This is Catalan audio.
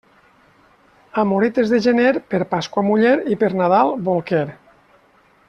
Amoretes de gener, per Pasqua muller i per Nadal bolquer.